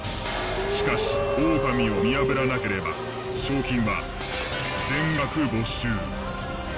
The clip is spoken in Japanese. しかしオオカミを見破らなければ賞金は全額没収。